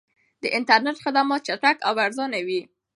د انټرنیټ خدمات چټک او ارزانه وي.